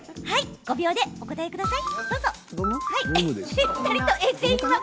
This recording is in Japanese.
５秒でお答えください。